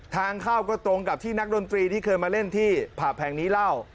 ทางเข้าก็ตรงกับที่นักดนตรีที่เคยมาเล่นที่ผับแห่งนี้เล่า